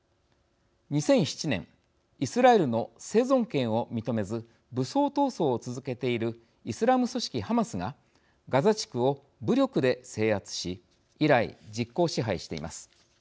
２００７年イスラエルの生存権を認めず武装闘争を続けているイスラム組織、ハマスがガザ地区を武力で制圧し以来、実効支配しています。